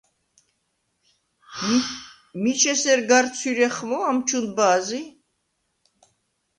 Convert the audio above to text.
მიჩ ესერ გარ ცვირეხმო ამჩუნ ბა̄ზი?